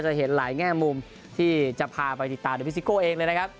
จะเห็นหลายแง่มุมที่จะพาไปติดตามโดยพี่ซิโก้เองเลยนะครับ